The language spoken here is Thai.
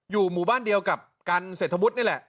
อยู่หมู่บ้านเดียวกับกันเศรษฐวุฒินี่แหละ